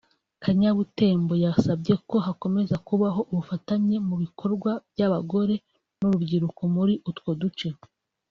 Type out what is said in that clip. Kanyabutembo yasabye ko hakomeza kubaho ubufatanye mu bikorwa by’abagore n’urubyiruko muri utwo duce